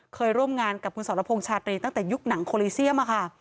เคยร่วมงานกับคุณสรพงษตรีตั้งแต่ยุคหนังโคลิเซียมค่ะ